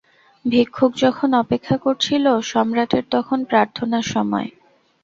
ভিক্ষুক যখন অপেক্ষা করছিল, সম্রাটের তখন প্রার্থনার সময়।